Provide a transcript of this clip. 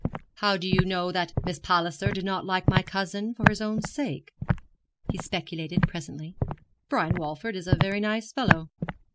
'How do you know that Miss Palliser did not like my cousin for his own sake?' he speculated presently. 'Brian Walford is a very nice fellow.'